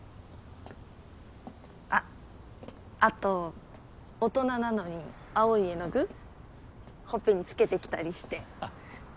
ああと大人なのに青い絵の具ほっぺにつけてきたりして。